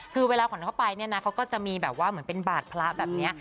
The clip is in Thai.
คือเวลาขันเข้าไปเขาก็จะมีแบบว่าเป็นบาทพระแบบนี้